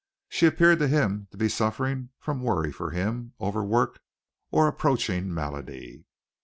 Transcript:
She appeared to him to be suffering from worry for him, overwork, or approaching malady.